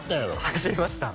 走りました